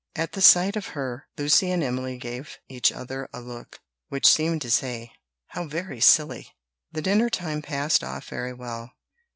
At the sight of her, Lucy and Emily gave each other a look, which seemed to say, "How very silly!" The dinner time passed off very well.